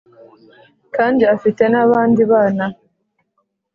kandi afite n’abandi bana